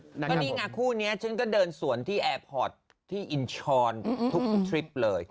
ก็นี่ไงคู่นี้ฉันก็เดินสวนที่แอร์พอร์ตที่อินชรทุกทริปเลย